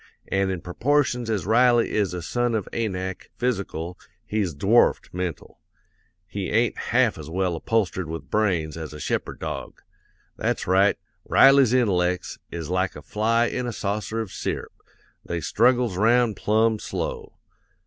An' in proportions as Riley is a son of Anak, physical, he's dwarfed mental; he ain't half as well upholstered with brains as a shepherd dog. That's right; Riley's intellects, is like a fly in a saucer of syrup, they struggles 'round plumb slow.